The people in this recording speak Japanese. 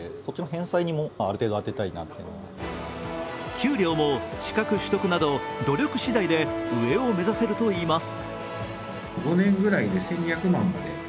給料も資格取得など努力しだいで上を目指せるといいます。